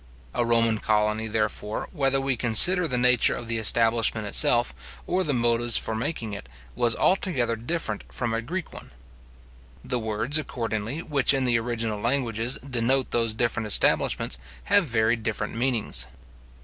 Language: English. A Roman colony, therefore, whether we consider the nature of the establishment itself, or the motives for making it, was altogether different from a Greek one. The words, accordingly, which in the original languages denote those different establishments, have very different meanings.